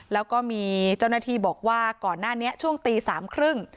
แล้วก็มีเจ้าหน้าที่บอกว่าก่อนหน้านี้ช่วงตีสามครึ่ง